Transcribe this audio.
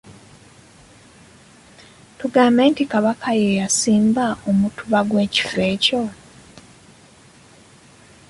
Tugambe nti Kabaka ye yasimba omutuba gw'ekifo ekyo.